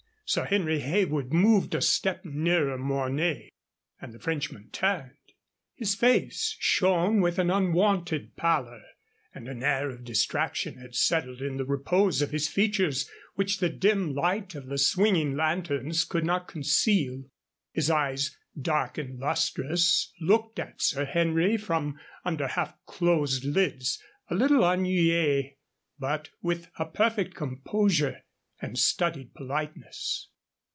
Sir Henry Heywood moved a step nearer Mornay, and the Frenchman turned. His face shone with an unwonted pallor, and an air of distraction had settled in the repose of his features which the dim light of the swinging lanterns could not conceal. His eyes, dark and lustrous, looked at Sir Henry from under half closed lids, a little ennuyé, but with a perfect composure and studied politeness.